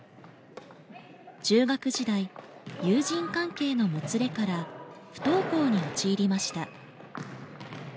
中学時代友人関係のもつれから不登校に陥りました。